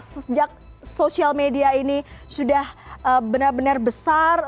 sejak sosial media ini sudah benar benar besar